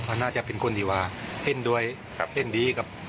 เราน่าจะเป็นคนดีบ่าเด่งด้วยสะพากะเด่งดีครับ